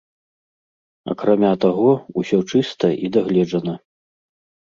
Акрамя таго, усё чыста і дагледжана.